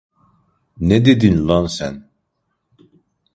Ne dedin lan sen?